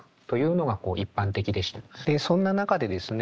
でそんな中でですね